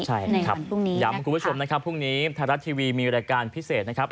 ใช่นะครับย้ำคุณผู้ชมนะครับพรุ่งนี้ไทยรัฐทีวีมีรายการพิเศษนะครับ